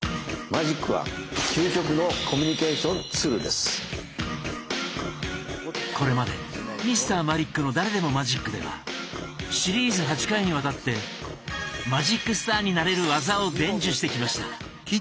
マジックはこれまで「Ｍｒ．マリックの誰でもマジック」ではシリーズ８回にわたってマジックスターになれる技を伝授してきました。